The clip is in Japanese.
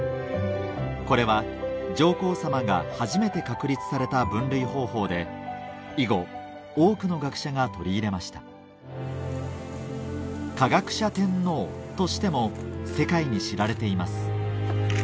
これは上皇さまが初めて確立された分類方法で以後多くの学者が取り入れました科学者天皇としても世界に知られています